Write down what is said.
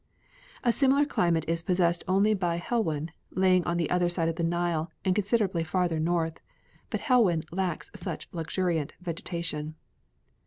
A similar climate is possessed only by Helwan lying on the other side of the Nile and considerably farther north, but Helwan lacks such luxuriant vegetation.